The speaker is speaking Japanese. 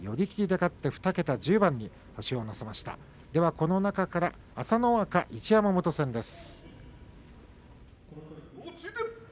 この中から朝乃若、一山本戦です。